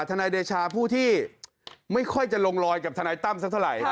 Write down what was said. นายเดชาผู้ที่ไม่ค่อยจะลงลอยกับทนายตั้มสักเท่าไหร่